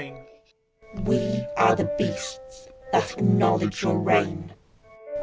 And we are the beasts that acknowledge your reign!